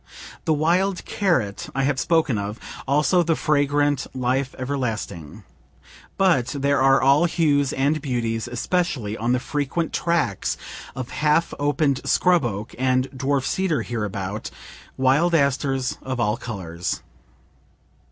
The wild carrot I have spoken of; also the fragrant life everlasting. But there are all hues and beauties, especially on the frequent tracts of half opened scrub oak and dwarf cedar hereabout wild asters of all colors.